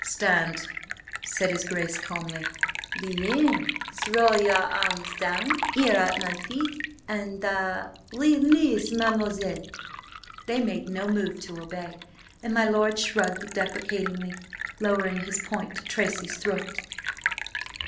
"Stand," said his Grace calmly. "Bien! Throw your arms down here at my feet, and–ah–release Mademoiselle!" They made no move to obey, and my lord shrugged deprecatingly, lowering his point to Tracy's throat.